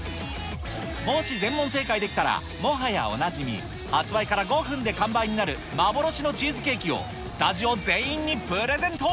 もし全問正解できたら、もはやおなじみ、発売から５分で完売になる、幻のチーズケーキをスタジオ全員にプレゼント。